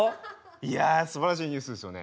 いやすばらしいニュースですよね。